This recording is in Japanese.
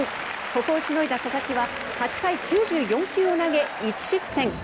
ここをしのいだ佐々木は８回９４球を投げ１失点。